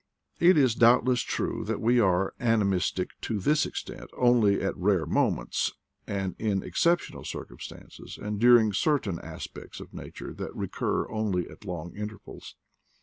It is doubtless true that we are animistic to this extent only at rare moments, and in excep tional circumstances, and during certain aspects *f nature that recur only at long intervals.